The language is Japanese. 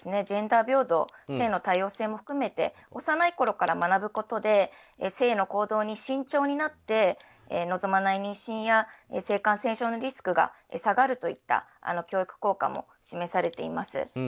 ジェンダー平等性の多様性も含めて幼いころから学ぶことで性の行動に慎重になって望まない妊娠や性感染症のリスクが下がるといった教育効果も示されています。